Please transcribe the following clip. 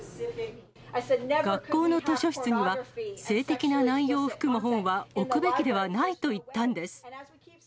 学校の図書室には性的な内容を含む本は置くべきではないと言ったんです。